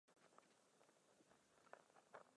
Ve věži se dá koupit poštovní známka.